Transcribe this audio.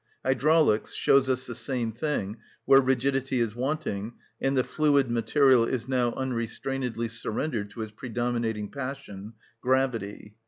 Hydraulics shows us the same thing where rigidity is wanting and the fluid material is now unrestrainedly surrendered to its predominating passion, gravity.